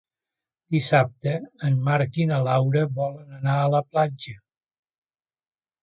Dissabte en Marc i na Laura volen anar a la platja.